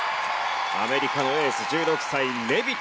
アメリカのエース１６歳レビト。